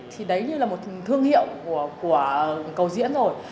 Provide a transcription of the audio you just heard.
thì đấy như là một thương hiệu của cầu diễn rồi